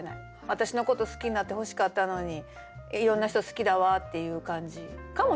私のこと好きになってほしかったのにいろんな人好きだわっていう感じかもしれない。